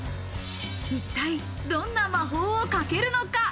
一体、どんな魔法をかけるのか？